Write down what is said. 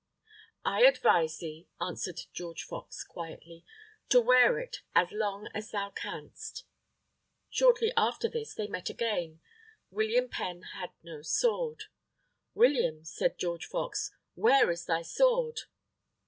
"I advise thee," answered George Fox quietly, "to wear it as long as thou canst." Shortly after this, they met again. William Penn had no sword. "William," said George Fox, "where is thy sword?"